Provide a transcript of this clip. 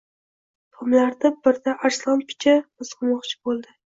tomlaridan birida Arslon picha mizg‘imoqchi bo‘ldi